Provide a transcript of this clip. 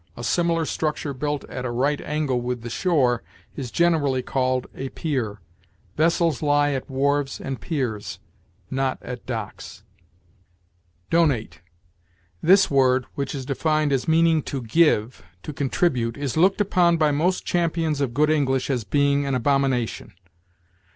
A similar structure built at a right angle with the shore is generally called a pier. Vessels lie at wharves and piers, not at docks. DONATE. This word, which is defined as meaning to give, to contribute, is looked upon by most champions of good English as being an abomination.